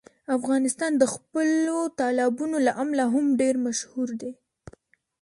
افغانستان د خپلو تالابونو له امله هم ډېر مشهور دی.